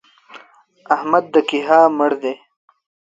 احمد د کيها مړ دی!